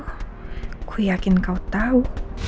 aku yakin kau tau